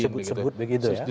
ya disebut sebut begitu ya